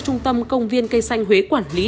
trung tâm công viên cây xanh huế quản lý